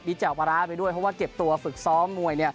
แจ่วปลาร้าไปด้วยเพราะว่าเก็บตัวฝึกซ้อมมวย